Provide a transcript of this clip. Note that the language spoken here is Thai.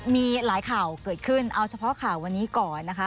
มีหลายข่าวเกิดขึ้นเอาเฉพาะข่าววันนี้ก่อนนะคะ